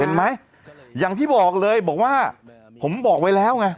เห็นไหมอย่างที่บอกเลยบอกว่าผมบอกไว้แล้วไง